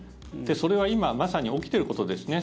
それは今、まさに起きていることですね。